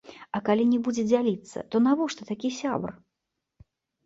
А калі не будзе дзяліцца, то навошта такі сябар?